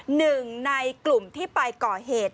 หนึ่งในกลุ่มที่ไปก่อเหตุ